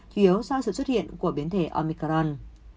thiếu do sự xuất hiện của biến thể omicron